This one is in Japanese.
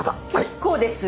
結構です。